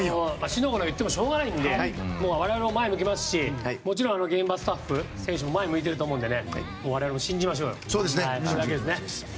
四の五の言ってもしょうがないので我々も前向きますしもちろん、現場のスタッフ、選手も前を向いてると思いますから我々も信じましょうよ。